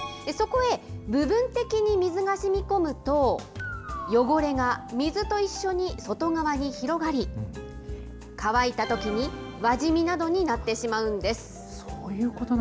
そこへ、部分的に水がしみこむと、汚れが水と一緒に外側に広がり、乾いたときに、輪じみなどになってしまうんです。